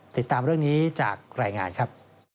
ติดตามเรื่องนี้จากรายงานครับ